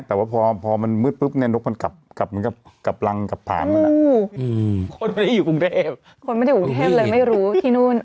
แต่ว่าพอพอมันมืดปุ๊บเนี่ยนกมันกลับกลับกลับรังกลับผ่านมาแล้วอ่ะอืม